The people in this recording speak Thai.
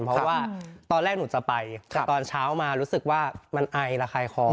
เพราะว่าตอนแรกหนูจะไปแต่ตอนเช้ามารู้สึกว่ามันไอระคายคอ